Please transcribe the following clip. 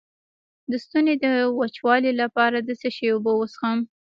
د ستوني د وچوالي لپاره د څه شي اوبه وڅښم؟